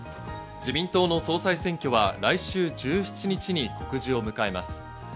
自民党の総裁選挙は来週１７日に告示を迎えます。